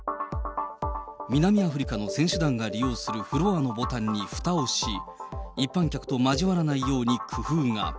南アフリカの選手団が利用するフロアのボタンにふたをし、一般客と交わらないように工夫が。